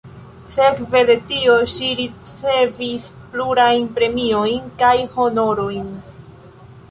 Sekve de tio ŝi ricevis plurajn premiojn kaj honorojn.